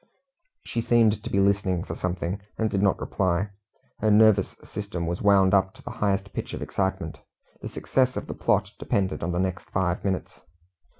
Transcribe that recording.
She seemed to be listening for something, and did not reply. Her nervous system was wound up to the highest pitch of excitement. The success of the plot depended on the next five minutes.